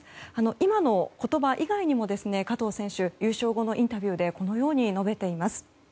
今の言葉以外にも加藤選手は優勝後のインタビューでこのように述べています。